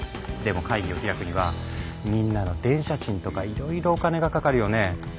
でも会議を開くにはみんなの電車賃とかいろいろお金がかかるよねえ。